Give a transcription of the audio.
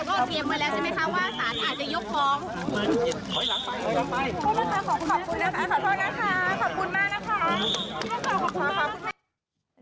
ขอบคุณมากคุณแม่